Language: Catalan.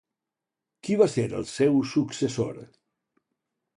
Qui va ser el seu successor?